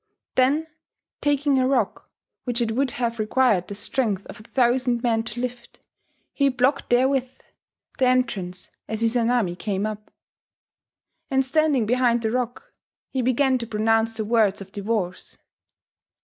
Then taking a rock which it would have required the strength of a thousand men to lift, he blocked therewith the entrance as Izanami came up. And standing behind the rock, he began to pronounce the words of divorce.